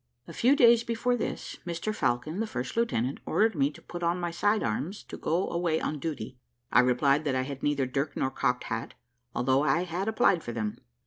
A few days before this, Mr Falcon, the first lieutenant, ordered me to put on my side arms to go away on duty. I replied that I had neither dirk nor cocked hat, although I had applied for them.